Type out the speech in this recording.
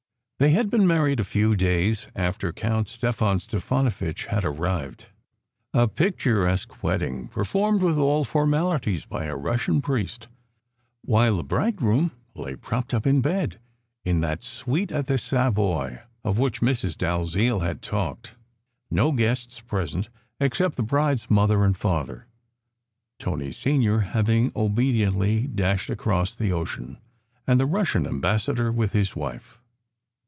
They had been married a few days after Count Stefan Stefanovitch had arrived a picturesque wedding per formed with all formalities by a Russian priest, while the bridegroom lay propped up in bed, in that suite at the Savoy of which Mrs. Dalziel had talked, no guests present except the bride s mother and father (Tony Senior having obediently dashed across the ocean) and the Russian am bassador with his wife.